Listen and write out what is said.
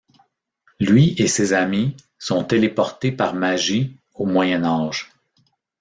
Lui et ses amis sont téléportés par magie au Moyen Âge.